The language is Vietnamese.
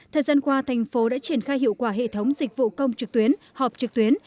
thời gian qua thành phố đã triển khai hiệu quả hệ thống dịch vụ công trực tuyến họp trực tuyến